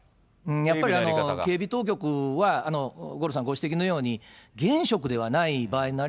やっぱり警備当局は、五郎さんご指摘のように、現職ではない場合にな